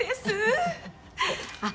あっ